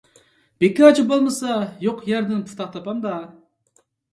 بىكارچى بولمىسا يوق يەردىن پۇتاق تاپامدا؟